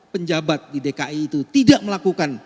penjabat di dki itu tidak melakukan